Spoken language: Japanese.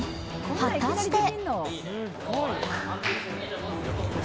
果たして。